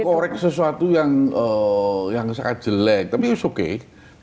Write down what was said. ibu mengkorek sesuatu yang sangat jelek tapi it's okay